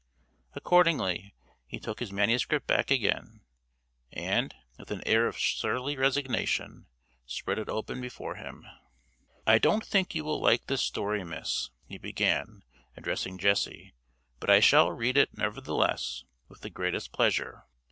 Accordingly, he took his manuscript back again, and, with an air of surly resignation, spread it open before him. "I don't think you will like this story, miss," he began, addressing Jessie, "but I shall read it, nevertheless, with the greatest pleasure.